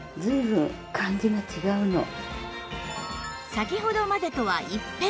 先ほどまでとは一変！